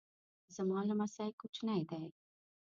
زما لمسی کوچنی دی